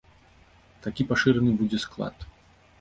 Такі пашыраны будзе склад.